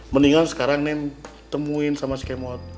mendingan sekarang neng temuin sama si kemot